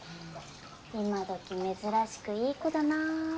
今どき珍しくいい子だなって。